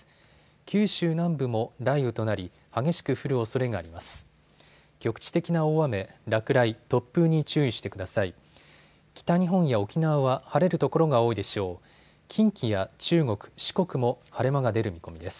九州南部も雷雨となり激しく降るおそれがあります。